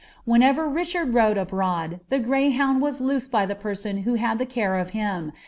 Whenever Hichard rode abftMd, tkt greyhound was loosed by the person who had the care irf him.